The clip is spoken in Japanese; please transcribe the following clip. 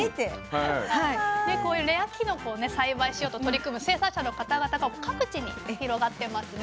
でこういうレアきのこを栽培しようと取り組む生産者の方々が各地に広がってますね。